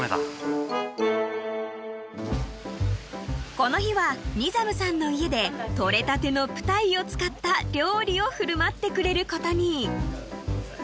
［この日はニザムさんの家で採れたてのプタイを使った料理を振る舞ってくれることに］